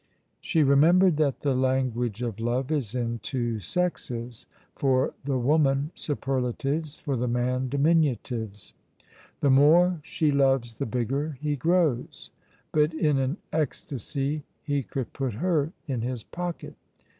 She remembered that the language of love is in two sexes for the woman superlatives, for the man diminutives. The more she loves the bigger he grows, but in an ecstasy he could put her in his pocket.